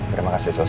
terima kasih sos